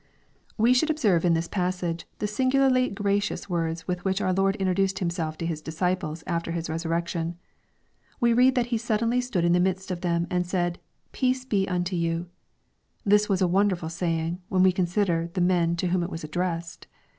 610 EXPOSITORY THOUaHTS Wb should observe in this passage the singularly graciam words with which our Lord introduced Himself to His disciples after His resurrection. We read that He suddenly stood in the midst of them and said, "Peace be unto you," This was a wonderful saying when we consider the men to whom it was addressed.